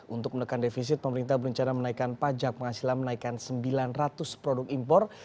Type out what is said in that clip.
untuk menekan defisit pemerintah berencana menaikkan pajak penghasilan menaikkan sembilan ratus produk impor